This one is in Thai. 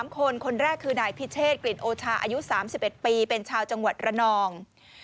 ๓คนคนแรกคือนายพิเชษกลิ่นโอชาอายุ๓๑ปีเป็นชาวจังหวัดระนอง